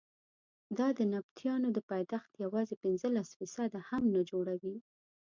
دا د نبطیانو د پایتخت یوازې پنځلس فیصده هم نه جوړوي.